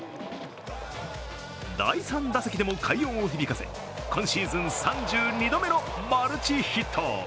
第３打席でも快音を響かせ今シーズン３２度目のマルチヒット。